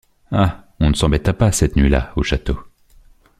Ah! on ne s’embêta pas, cette nuit-là, au Château !